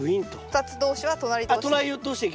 ２つ同士は隣同士で。